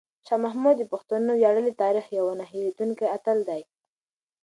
شاه محمود د پښتنو د ویاړلي تاریخ یو نه هېرېدونکی اتل دی.